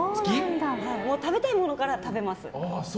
食べたいものから食べます。